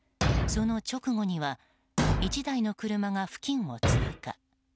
その直後には１台の車が付近を通過。